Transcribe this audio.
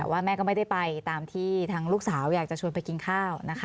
ว่าแม่ก็ไม่ได้ไปตามที่ทางลูกสาวอยากจะชวนไปกินข้าวนะคะ